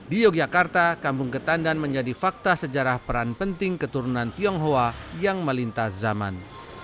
di yogyakarta kampung ketandan menjadi fakta sejarah peran penting keturunan tionghoa yang melintas zaman